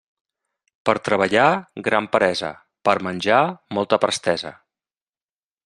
Per treballar, gran peresa; per menjar, molta prestesa.